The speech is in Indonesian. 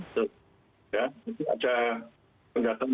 ya itu ada penggantung